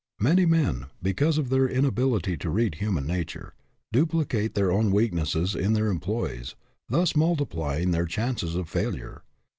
Many men, because of their inability to read human nature, duplicate their own weaknesses in their employees, thus multiplying their chances of failure.